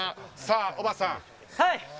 おばたさん。